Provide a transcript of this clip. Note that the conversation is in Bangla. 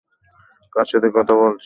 কার সাথে কথা বলছিস?